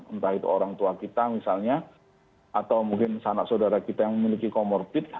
entah itu orang tua kita misalnya atau mungkin sanak saudara kita yang memiliki comorbid